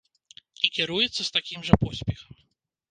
І кіруецца з такім жа поспехам.